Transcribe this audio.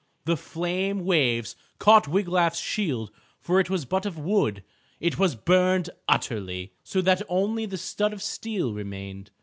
The flame waves caught Wiglaf's shield, for it was but of wood. It was burned utterly, so that only the stud of steel remained.